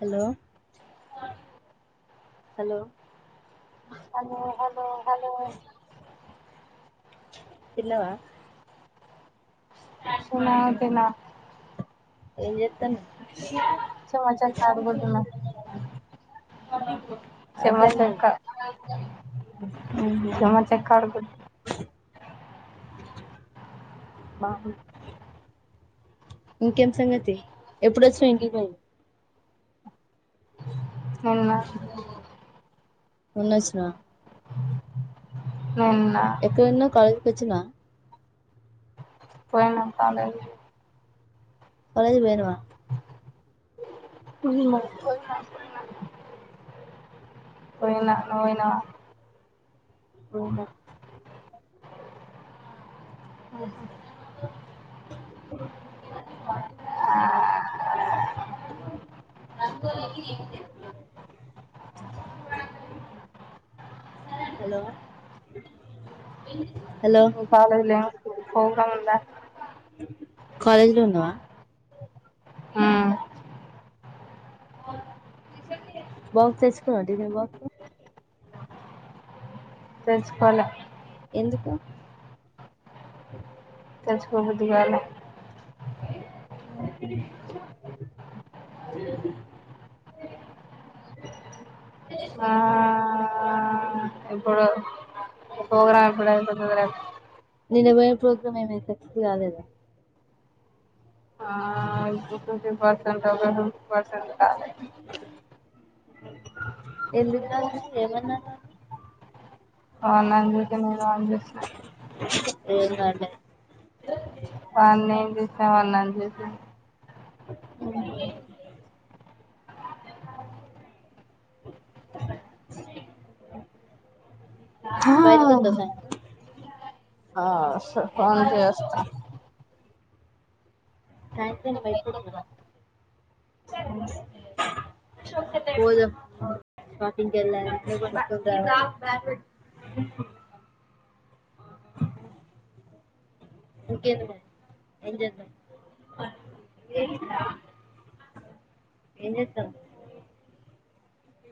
hello hello తిన్నవా తిన్న ఏం చెత్తన్నావ్ ఆ చెమ్మచక్క చెమచక్కడుగు బా ముక్యం సంగతి ఎప్పుడు వచ్చిన ఏంటి ఫైవ్ ఎన్నా మొన్న వచ్చినవా నిన్న పచ్చమ పోయిన కాల పలది వనువా ఉందా పోయింది అనుకున్నాన్ పోయినా నువోయినవ పోయినా రంగోలికి ఏం లేదు హలో హలో ఓ కాలేజ్ ల్యా కుంకుము ఉందా కాలేజ్ లో ఉన్నావా ఉమ్ అవున్ బాక్స్ తెచ్చుకున్నావ టిఫెన్ బాక్స్ తెలుసుకోవాలి ఎందుకు తెచ్చుకోబుద్ధి కాలే ఆ ఇప్పుడు పోగ్రామ్ కూడ అయిపోతుందిలే నిన్న పోయే ప్రోగ్రామ్ ఏమైంది హిట్ కాలేదా ఆ ఫిఫ్టీ పర్సెంట్ ఒక ఫిఫ్టీ పర్సెంట్ కాలే ఎందుకు బాలేదు ఏమన్నాను వాని ఆ నక నేను అన అందంట వాన్నీ ఏం చేసా వాళ అని చేసా అ బయి కతో స స కొ చేస్త పింగ్ క ఎ ఎస్త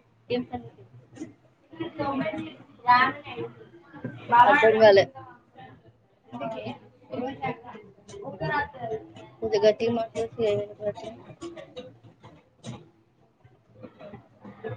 ఏల గ మ